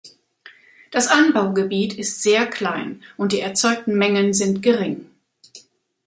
Das Anbaugebiet ist sehr klein und die erzeugten Mengen sind gering.